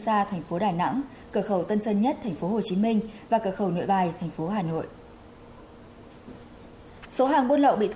các bạn hãy đăng ký kênh để ủng hộ kênh của chúng mình nhé